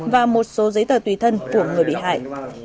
và một số giấy tờ tùy thân của người bị hại